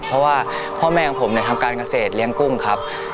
เพราะว่าพ่อแม่ของผมเนี่ยทำการเกษตรเลี้ยงกุ้งครับ